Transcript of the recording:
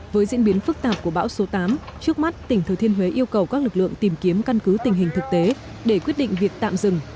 với diễn biến phức tạp của bão số tám trước mắt tỉnh thừa thiên huế yêu cầu các lực lượng tìm kiếm căn cứ tình hình thực tế để quyết định việc tạm dừng